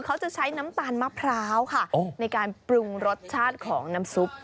เขาจะใช้น้ำตาลมะพร้าวค่ะในการปรุงรสชาติของน้ำซุป